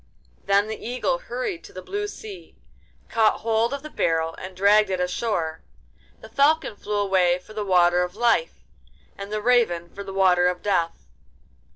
Then the Eagle hurried to the blue sea, caught hold of the barrel, and dragged it ashore; the Falcon flew away for the Water of Life, and the Raven for the Water of Death.